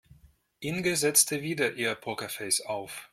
Inge setzte wieder ihr Pokerface auf.